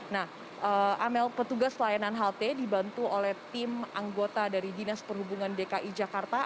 nah amel petugas layanan halte dibantu oleh tim anggota dari dinas perhubungan dki jakarta